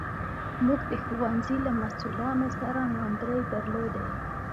موږ د ښوونځي له مسوولانو سره ناندرۍ درلودې.